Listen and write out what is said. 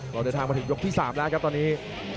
เราเดินทางมาถึงยกที่๓แล้วครับตอนนี้